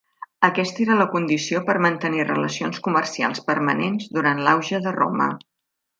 Aquesta era la condició per mantenir relacions comercials permanents durant l'auge de Roma.